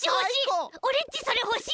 オレっちほしい！